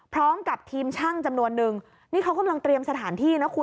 พร้อมกับทีมช่างจำนวนนึงนี่เขากำลังเตรียมสถานที่นะคุณ